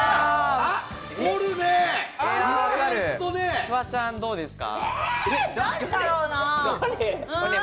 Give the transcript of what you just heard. フワちゃん、どうですか？